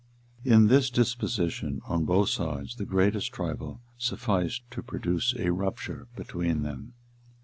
In this disposition, on both sides, the greatest trifle sufficed to produce a rupture between them.